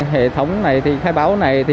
hệ thống khai báo này